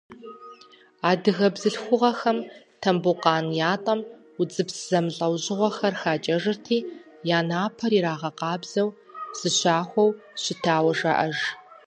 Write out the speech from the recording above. Адыгэ бзылъхугъэхэм Тамбукъан ятӏэм удзыпс зэмылӏэужьыгъуэхэр хакӏэжырти, я напэр ирагъэкъабзэу, зыщахуэу щытауэ жаӏэж.